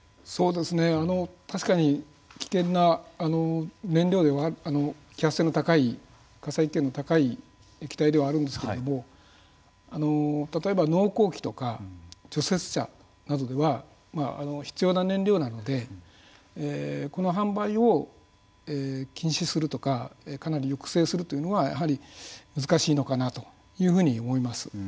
確かに危険な燃料で揮発性の高い液体ではあるんですけれども例えば、農耕機とか除雪車などでは必要な燃料なのでこの販売を禁止するとかかなり抑制するというのはやはり難しいのかなというふうに思います。